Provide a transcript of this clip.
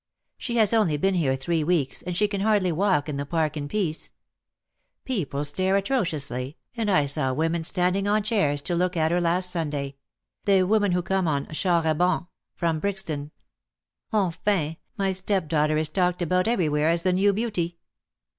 She has only been here three weeks, and she can hardly walk in the Park in peace. People stare atrociously, and I saw women standing on chairs to look at her last Sunday — the women who come on char a bancs from Brixton. Enfin, my stepdaughter is talked about everywhere as the new beauty."